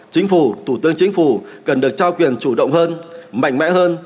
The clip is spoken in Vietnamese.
chính phủ thủ tướng chính phủ cần được trao quyền chủ động hơn mạnh mẽ hơn